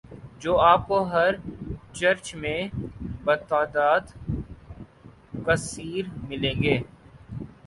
جو آپ کو ہر چرچ میں بتعداد کثیر ملیں گے